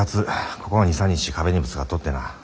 ここ２３日壁にぶつかっとってなぁ。